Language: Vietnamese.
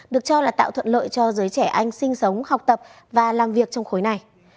được cho là tạo thuận lợi cho giới trẻ anh sinh sống học tập và làm việc trong khối này